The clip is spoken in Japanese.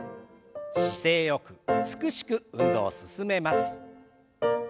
姿勢よく美しく運動を進めます。